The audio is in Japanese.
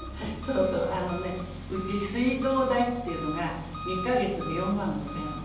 あのねうち水道代っていうのが２カ月で４万５０００円なの。